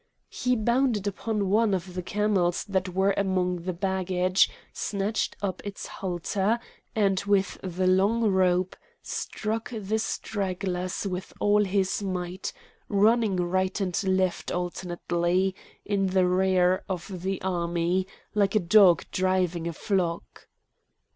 He bounded upon one of the camels that were among the baggage, snatched up its halter, and with the long rope, struck the stragglers with all his might, running right and left alternately, in the rear of the army, like a dog driving a flock.